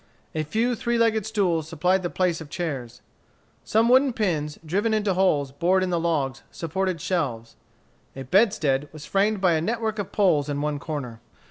A few three legged stools supplied the place of chairs. Some wooden pins, driven into holes bored in the logs, supported shelves. A bedstead was framed by a network of poles in one corner.